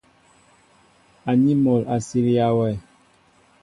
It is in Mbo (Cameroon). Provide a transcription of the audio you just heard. Aní mol a silya wɛ.